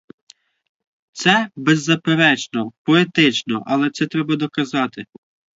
Це, безперечно, поетично, але це треба доказати.